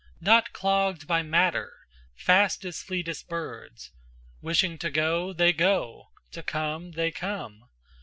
Not clogged by matter, fast as fleetest birds, Wishing to go, they go; to come, they come.